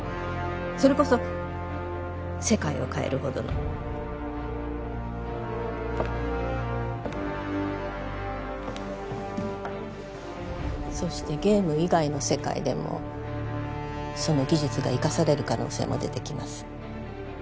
それこそ世界を変えるほどのそしてゲーム以外の世界でもその技術が生かされる可能性も出てきます